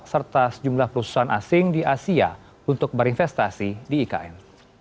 serta sejumlah perusahaan asing di asia untuk berinvestasi di ikn